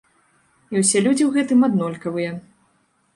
І ўсе людзі ў гэтым аднолькавыя.